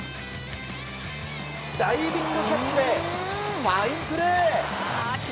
ダイビングキャッチでファインプレー！